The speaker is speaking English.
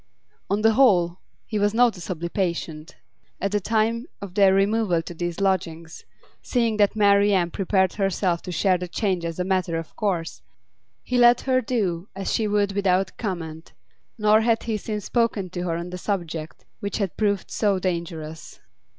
On the whole, he was noticeably patient. At the time of their removal to these lodgings, seeing that Marian prepared herself to share the change as a matter of course, he let her do as she would without comment; nor had he since spoken to her on the subject which had proved so dangerous.